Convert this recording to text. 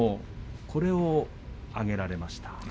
これを挙げられました。